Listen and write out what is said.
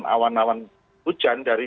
awan awan hujan dari